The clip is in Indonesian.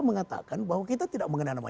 mengatakan bahwa kita tidak mengenal nama